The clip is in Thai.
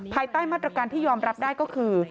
ภายใต้มาตรการที่ยอมรับได้ก็คือ